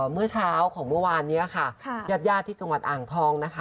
เมื่อเช้าของเมื่อวานนี้ค่ะญาติญาติที่จังหวัดอ่างทองนะคะ